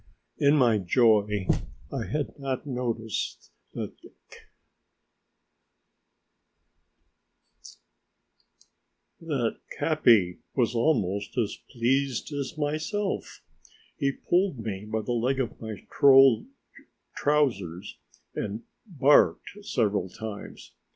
In my joy I had not noticed that Capi was almost as pleased as myself. He pulled me by the leg of my trousers and barked several times.